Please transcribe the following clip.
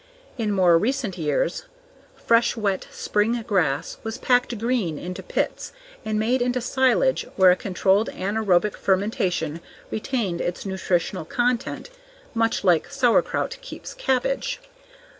In more recent years, fresh wet spring grass was packed green into pits and made into silage where a controlled anaerobic fermentation retained its nutritional content much like sauerkraut keeps cabbage.